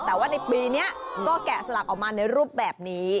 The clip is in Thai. แต่ว่าในปีนี้ก็แกะสลักออกมาในรูปแบบนี้